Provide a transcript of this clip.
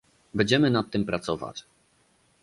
Będziemy nad tym pracować